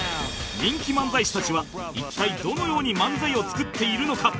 人気漫才師たちは一体どのように漫才を作っているのか？